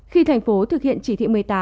khi thành phố thực hiện chỉ thị một mươi tám